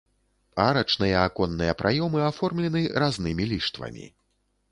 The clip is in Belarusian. Арачныя аконныя праёмы аформлены разнымі ліштвамі.